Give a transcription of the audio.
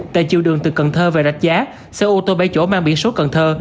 tại chiều đường từ cần thơ về rạch giá xe ô tô bảy chỗ mang biển số cần thơ